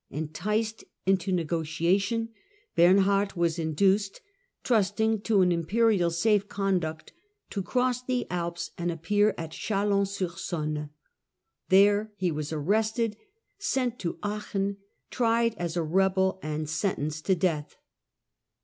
Enticed into negotiation, Bernhard was induced, trusting to an Imperial safe conduct, to cross the Alps and appear at Chalons sur Saone. There he was arrested, sent to Aachen, tried as a rebel and sentenced to death.